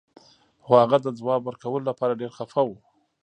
خو هغه د ځواب ورکولو لپاره ډیر خفه و